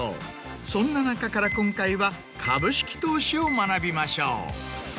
そんな中から今回は株式投資を学びましょう。